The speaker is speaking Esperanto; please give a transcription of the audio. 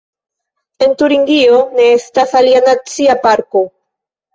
En Turingio ne estas alia nacia parko.